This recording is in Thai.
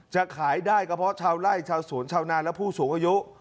จะขายได้ก็เพราะชาวไล่ชาวสวนชาวนานและผู้สูงอายุ